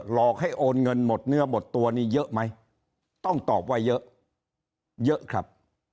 หลอกให้โอนเงินหมดเนื้อหมดตัวนี้เยอะไหมต้องตอบว่าเยอะเยอะครับ